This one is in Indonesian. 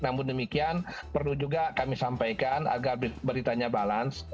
namun demikian perlu juga kami sampaikan agar beritanya balance